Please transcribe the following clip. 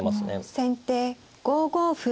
先手５五歩。